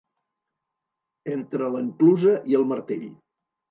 Entre l'enclusa i el martell.